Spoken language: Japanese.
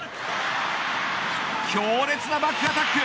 強烈なバックアタック。